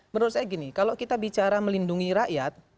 menurut saya gini kalau kita bicara melindungi rakyat